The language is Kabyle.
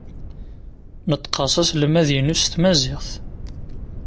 Neṭṭqeɣ s aselmad-inu s tmaziɣt.